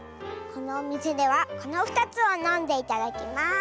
このおみせではこの２つをのんでいただきます。